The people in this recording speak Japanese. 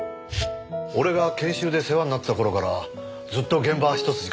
俺が研修で世話になってた頃からずっと現場一筋か？